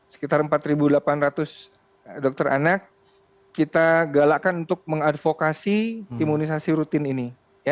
sekitar empat delapan ratus dokter anak kita galakkan untuk mengadvokasi imunisasi rutin ini